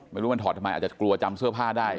ไม่รู้มันถอดทำไมอาจจะกลัวจำเสื้อผ้าได้